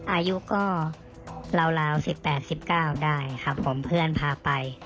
อายุก็ราว๑๘๑๙ได้ครับผมเพื่อนพาไป